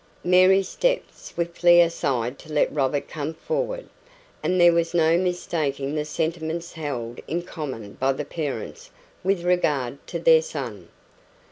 Mary stepped swiftly aside to let Robert come forward, and there was no mistaking the sentiments held in common by the parents with regard to their son.